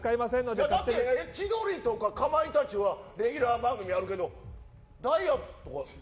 千鳥とかかまいたちはレギュラー番組あるけどダイアンとかは。